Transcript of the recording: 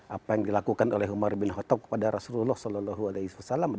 apa yang dilakukan oleh umar bin khattab kepada rasulullah saw